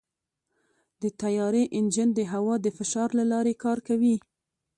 د طیارې انجن د هوا د فشار له لارې کار کوي.